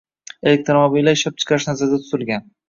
elektromobillar ishlab chiqarish nazarda tutilgan.